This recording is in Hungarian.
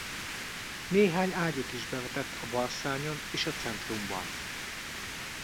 Néhány ágyút is bevetett a balszárnyon és a centrumban.